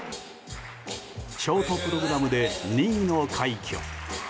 ショートプログラムで２位の快挙。